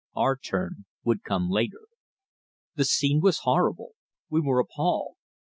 Our turn would come later. The scene was horrible; we were appalled.